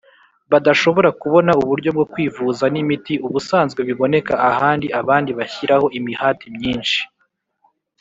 badashobora kubona uburyo bwo kwivuza n imiti ubusanzwe biboneka ahandi Abandi bashyiraho imihati myinshi